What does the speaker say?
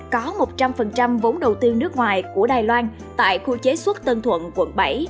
có một trăm linh vốn đầu tư nước ngoài của đài loan tại khu chế xuất tân thuận quận bảy